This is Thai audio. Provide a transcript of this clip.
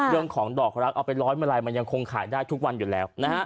เรื่องของดอกรักเอาไปร้อยมาลัยมันยังคงขายได้ทุกวันอยู่แล้วนะฮะ